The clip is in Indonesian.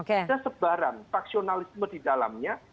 ada sebaran faksionalisme di dalamnya